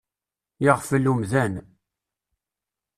Yeɣfel umdan.